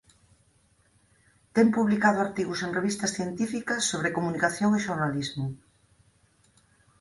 Ten publicado artigos en revistas científicas sobre Comunicación e Xornalismo.